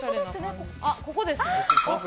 ここですね。